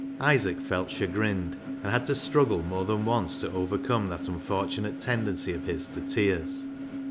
Isaac felt chagrined, and had to struggle more than once to overcome that unfortunate tend ency of his to tears.